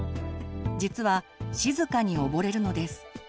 実は静かに溺れるのです。